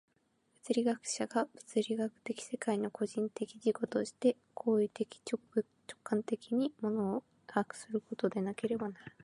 物理学者が物理学的世界の個人的自己として行為的直観的に物を把握することでなければならない。